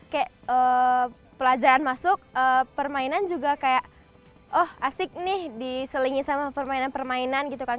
kayak pelajaran masuk permainan juga kayak oh asik nih diselingi sama permainan permainan gitu kan